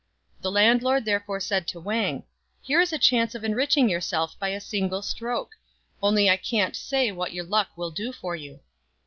The landlord there fore said to Wang, " Here is a chance of enriching your self by a single stroke ; only I can't say what your luck will do for you."